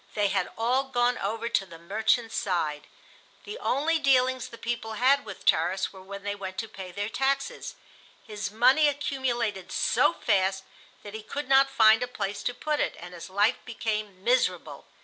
They had all gone over to the "merchant's" side. The only dealings the people had with Tarras were when they went to pay their taxes. His money accumulated so fast that he could not find a place to put it, and his life became miserable.